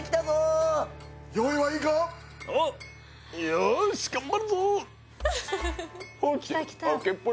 よし頑張るぞ！